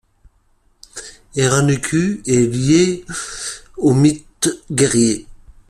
Era Nuku est lié aux mythes guerriers.